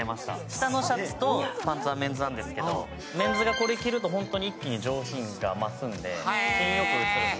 下のシャツとパンツはメンズなんですけど、メンズがこれ着ると、本当に一気に上品が増すので、品良くなって。